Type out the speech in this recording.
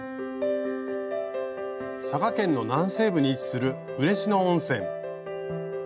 佐賀県の南西部に位置する嬉野温泉。